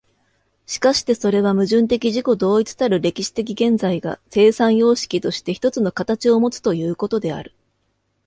しかしてそれは矛盾的自己同一たる歴史的現在が、生産様式として一つの形をもつということである。